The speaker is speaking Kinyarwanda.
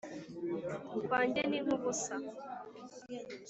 Kwanjye ni nkubusa